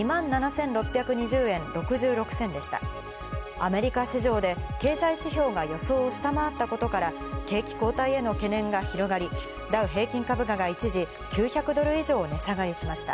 アメリカ市場で経済指標が予想を下回ったことから、景気後退への懸念が広がり、ダウ平均株価が一時９００ドル以上、値下がりしました。